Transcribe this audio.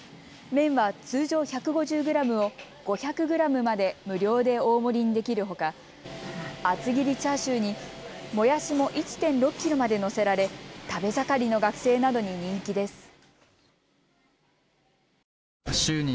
麺はは通常１５０グラムを５００グラムまで無料で大盛りにできるほか厚切りチャーシューにもやしも１．６キロまで載せられ食べ盛りの学生などに人気です。